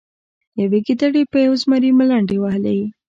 یوې ګیدړې په یو زمري ملنډې وهلې.